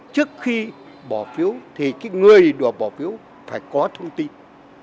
trước khi bỏ phiếu thì cái người đòi bỏ phiếu phải có thông tin